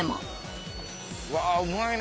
うわうまいね。